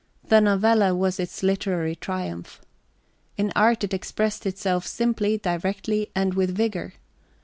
The novella was its literary triumph. In art it expressed itself simply, directly and with vigour.